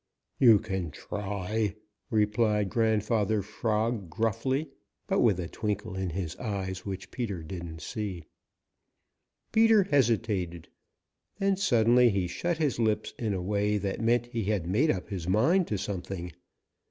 "You can try," replied Grandfather Frog gruffly, but with a twinkle in his eyes which Peter didn't see. Peter hesitated. Then suddenly he shut his lips in a way that meant that he had made up his mind to something.